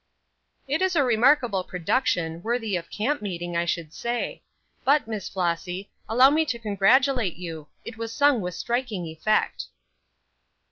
"It is a remarkable production, worthy of camp meeting, I should say. But, Miss Flossy, allow me to congratulate you. It was sung with striking effect."